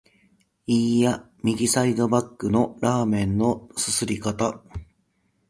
いーや、右サイドバックのラーメンの啜り方！